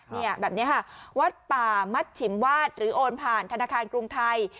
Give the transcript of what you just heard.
เนี่ยแบบนี้ค่ะวัดป่ามัดฉิมวาดหรือโอนผ่านธนาคารกรุงไทย